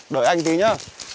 đợi anh tí nhá